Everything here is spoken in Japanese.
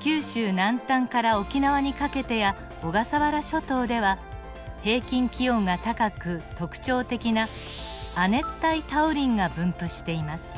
九州南端から沖縄にかけてや小笠原諸島では平均気温が高く特徴的な亜熱帯多雨林が分布しています。